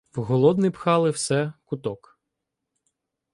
В голодний пхали все куток.